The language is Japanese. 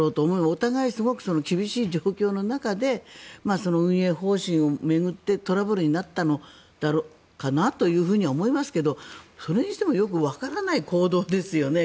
お互いすごく厳しい状況の中で運営方針を巡ってトラブルになったのだろうかと思いますけどそれにしてもよくわからない行動ですよね。